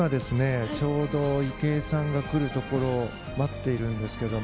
ちょうど池江さんが来るところを待っているんですけど。